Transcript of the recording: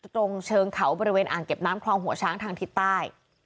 ตรงเชิงเขาบริเวณอ่างเก็บน้ำคลองหัวช้างทางทิศใต้